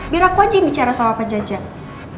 biar aku aja yang bicara sama pak jajan